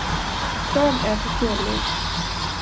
Prag är för fjollor.